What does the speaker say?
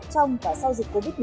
trong và sau dịch covid một mươi chín